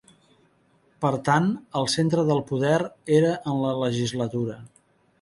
Per tant, el centre del poder era en la legislatura.